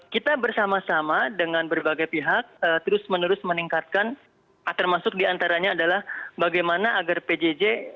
kita bersama sama dengan berbagai pihak terus menerus meningkatkan termasuk diantaranya adalah bagaimana agar pjj